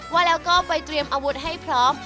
ว่าแล้วก็ไปเตรียมอาวุธให้พร้อม